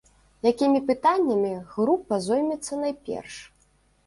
Якімі пытаннямі група зоймецца найперш?